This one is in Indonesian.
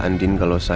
minta menu ya